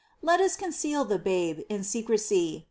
Let us conceal the Babe In secrecy